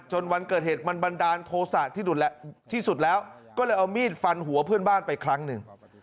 วันเกิดเหตุมันบันดาลโทษะที่สุดแล้วก็เลยเอามีดฟันหัวเพื่อนบ้านไปครั้งหนึ่ง